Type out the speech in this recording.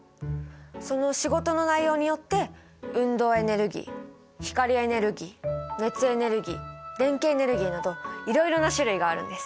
その仕事の内容によって運動エネルギー光エネルギー熱エネルギー電気エネルギーなどいろいろな種類があるんです。